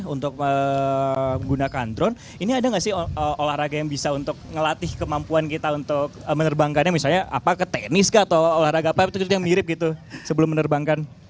untuk menggunakan drone ini ada nggak sih olahraga yang bisa untuk ngelatih kemampuan kita untuk menerbangkannya misalnya apa ke tenis kah atau olahraga apa itu yang mirip gitu sebelum menerbangkan